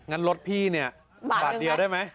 งั้นรถพี่เนี่ยบาทเดียวได้ไหม